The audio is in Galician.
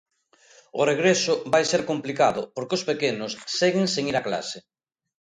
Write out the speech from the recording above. O regreso vai ser complicado porque os pequenos seguen sen ir á clase.